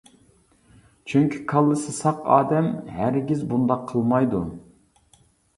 چۈنكى كاللىسى ساق ئادەم ھەرگىز بۇنداق قىلمايدۇ.